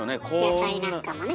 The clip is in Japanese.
野菜なんかもね。